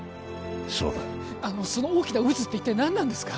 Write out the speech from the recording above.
そうだあのその大きな渦って一体何なんですか？